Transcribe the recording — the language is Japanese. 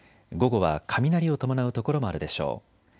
午後は雷を伴う所もあるでしょう。